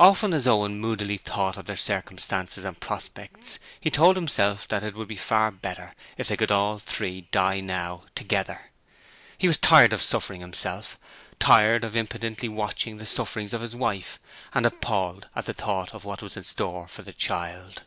Often as Owen moodily thought of their circumstances and prospects he told himself that it would be far better if they could all three die now, together. He was tired of suffering himself, tired of impotently watching the sufferings of his wife, and appalled at the thought of what was in store for the child.